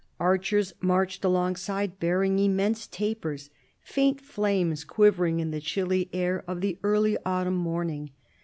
Archers marched alongside, bearing immense tapers, faint flames quivering in the chilly air of the early autumn morning.